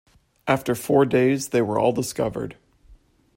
After four days they were all discovered.